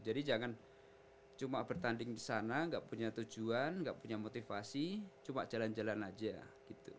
jadi jangan cuma bertanding di sana nggak punya tujuan nggak punya motivasi cuma jalan jalan aja gitu